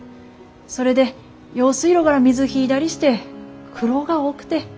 それで用水路がら水引いだりして苦労が多くて。